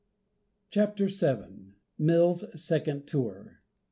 CHAPTER VII. MILLS' SECOND TOUR.